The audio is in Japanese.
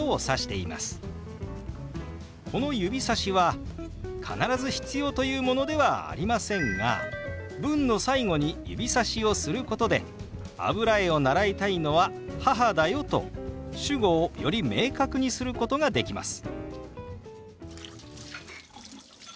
この指さしは必ず必要というものではありませんが文の最後に指さしをすることで「油絵を習いたいのは母だよ」と主語をより明確にすることができます。